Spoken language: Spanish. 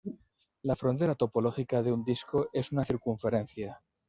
La "frontera topológica" de un disco es una circunferencia.